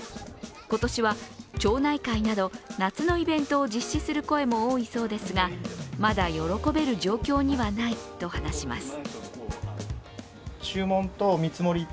今年は町内会など夏のイベントを実施する声も多いそうですがまだ喜べる状況にはないと話します。